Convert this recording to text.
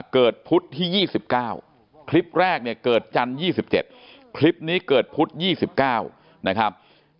พุธที่๒๙คลิปแรกเนี่ยเกิดจันทร์๒๗คลิปนี้เกิดพุธ๒๙นะครับ